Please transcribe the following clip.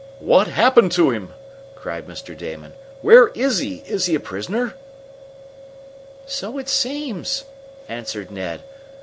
"What happened to him?" cried Mr. Damon. "Where is he? Is he a prisoner?" "So it seems," answered Ned.